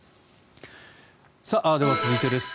では、続いてです。